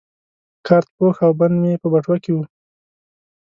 کارت پوښ او بند مې په بټوه کې وو.